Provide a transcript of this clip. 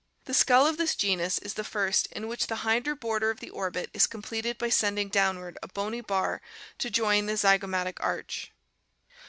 The skull of this genus is the first in which the hinder border of the orbit is completed by sending down ward a bony bar to join the zygomatic arch.